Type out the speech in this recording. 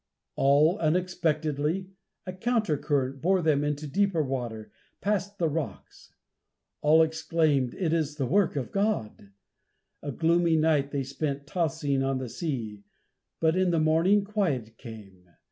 All unexpectedly, a counter current bore them into deeper water, past the rocks. All exclaimed, "It is the work of God!" A gloomy night they spent tossing on the sea, but in the morning quiet came.